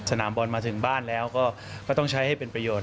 สนามบอลมาถึงบ้านแล้วก็ต้องใช้ให้เป็นประโยชน